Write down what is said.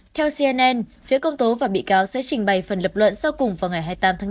theo cnn phía công tố và bị cáo sẽ trình bày phần lập luận sau cùng vào ngày hai mươi tám tháng chín